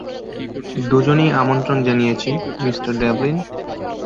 দুজনেই আমন্ত্রণ জানিয়েছি, মিঃ ডেভলিন।